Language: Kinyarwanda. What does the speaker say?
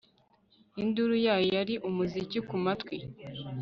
Induru yayo yari umuziki kumatwi